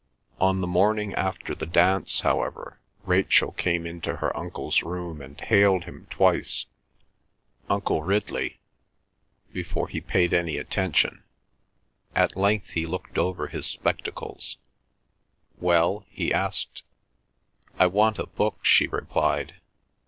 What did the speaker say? On the morning after the dance, however, Rachel came into her uncle's room and hailed him twice, "Uncle Ridley," before he paid her any attention. At length he looked over his spectacles. "Well?" he asked. "I want a book," she replied.